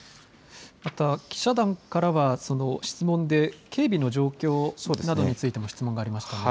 また、記者団からは質問で警備の状況などについても質問がありましたが。